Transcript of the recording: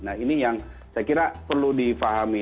nah ini yang saya kira perlu difahami